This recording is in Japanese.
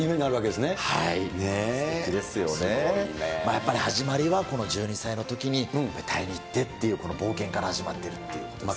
やっぱり始まりはこの１２歳のときにタイに行ってっていうこの冒険から始まってるということですかね。